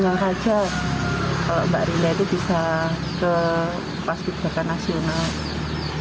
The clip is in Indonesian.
yang terakhir mbak rinda itu bisa ke pas ki braka nasional